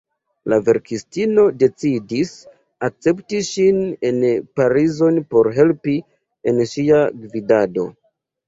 La verkistino decidis akcepti ŝin en Parizon por helpi en ŝia gvidado.